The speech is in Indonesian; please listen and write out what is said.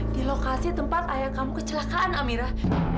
di lokasi tempat ayah kamu kecelakaan amirah